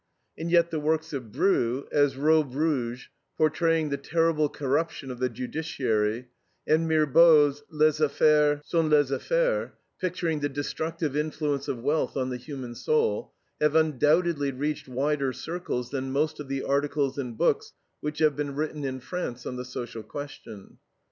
And yet the works of Brieux as ROBE ROUGE, portraying the terrible corruption of the judiciary and Mirbeau's LES AFFAIRES SONT LES AFFAIRES picturing the destructive influence of wealth on the human soul have undoubtedly reached wider circles than most of the articles and books which have been written in France on the social question.